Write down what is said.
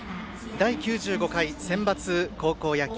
第９５回センバツ高校野球。